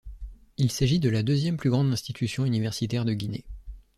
Il s'agit de la deuxième plus grande institution universitaire de Guinée.